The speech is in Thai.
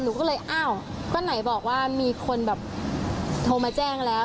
หนูก็เลยอ้าวก็ไหนบอกว่ามีคนแบบโทรมาแจ้งแล้ว